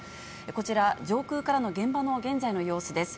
こちら、上空からの現場の現在の様子です。